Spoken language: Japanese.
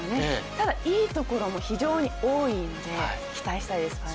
ただいいところも非常に多いんで期待したいです。